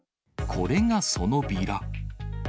これがそのビラ。